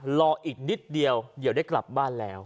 รออีกนิดเดียวเดี๋ยวได้กลับบ้านแล้ว